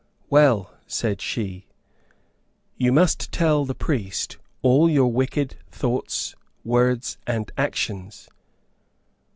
"Well," said she, "you must tell the priest all your wicked thoughts, words, and actions."